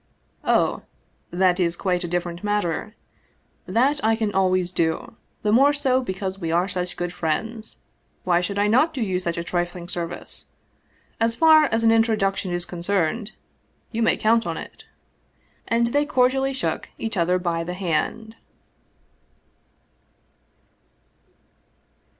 " Oh, that is quite a different matter. That I can al ways do; the more so, because we are such good friends. Why should I not do you such a trifling service? As far as an introduction is concerned, you may count on it." And they cordially shook each other by the hand.